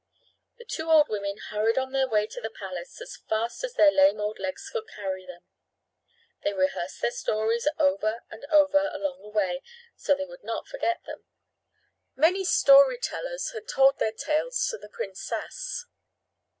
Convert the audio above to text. The two old women hurried on their way to the palace as fast as their lame old legs could carry them. They rehearsed their stories over and over along the way so they would not forget them. Many storytellers had told their tales to the princess.